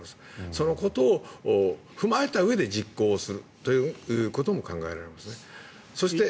そのことを踏まえたうえで実行することも考えられます。